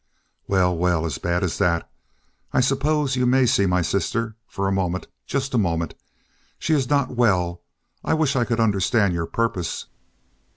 "Well, well! As bad as that? I suppose you may see my sister. For a moment. Just a moment. She is not well. I wish I could understand your purpose!"